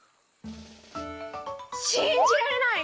「しんじられない！